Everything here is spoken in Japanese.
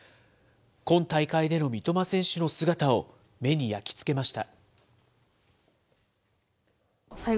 今大会での三笘選手の姿を目に焼き付けました。